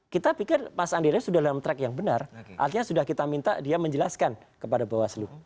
kita pikir mas andira sudah dalam track yang benar artinya sudah kita minta dia menjelaskan kepada bawaslu